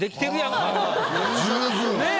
十分。